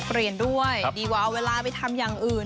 เรียนด้วยดีกว่าเอาเวลาไปทำอย่างอื่น